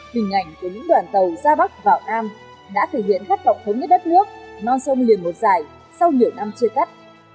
hình ảnh của những đoàn tàu ra bắc vào nam đã thực hiện khát vọng thống nhất đất nước non sông liền một dài sau nhiều năm chưa tắt